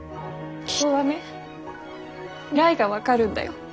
気象はね未来が分かるんだよ。